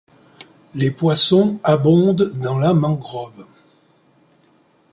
Les Poissons abondent dans la mangrove.